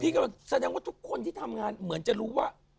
กำลังแสดงว่าทุกคนที่ทำงานเหมือนจะรู้ว่า